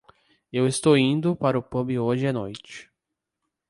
Eu estou indo para o pub hoje à noite.